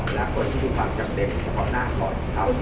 และคนที่มีความจำเป็นของหน้าก่อน